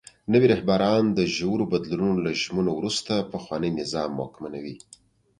نوي رهبران د ژورو بدلونونو له ژمنو وروسته پخواني نظام واکمنوي.